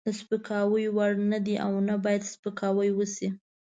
د سپکاوي وړ نه دی او نه باید سپکاوی وشي.